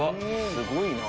すごいな。